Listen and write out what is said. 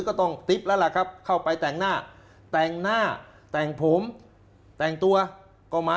ก็ต้องติ๊บแล้วล่ะครับเข้าไปแต่งหน้าแต่งหน้าแต่งผมแต่งตัวก็มา